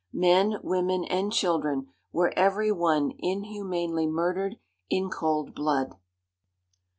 Men, women, and children, were every one inhumanly murdered in cold blood!"